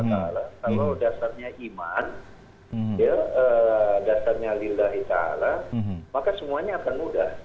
kalau dasarnya iman dasarnya lillahi ta'ala maka semuanya akan mudah